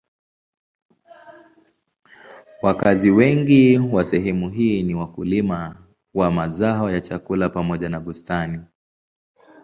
Wakazi wengi wa sehemu hii ni wakulima wa mazao ya chakula pamoja na bustani.